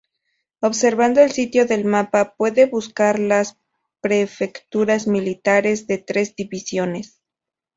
Observando el estilo del mapa, puede buscar las prefecturas militares de tres divisiones.